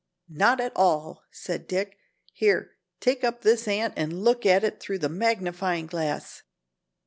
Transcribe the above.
"Not at all," said Dick; "here, take up this ant and look at it through the magnifying glass."